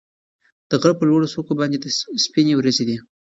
د غره په لوړو څوکو باندې سپینې وريځې دي.